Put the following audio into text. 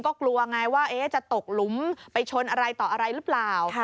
ก็กลัวไงว่าจะตกหลุมไปชนอะไรต่ออะไรหรือเปล่า